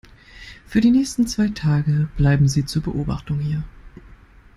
Für die nächsten zwei Tage bleiben Sie zur Beobachtung hier.